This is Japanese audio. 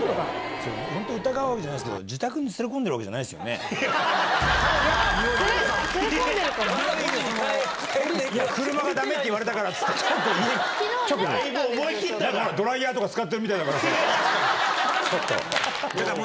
それ、本当、疑うわけじゃないですけど、自宅に連れ込んでるわけじゃない連れ込んでるかも。